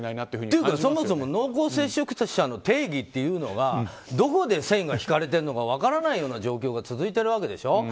というか、そもそも濃厚接触者の定義というのがどこで線が引かれてるのか分からない状況が続いてるでしょ。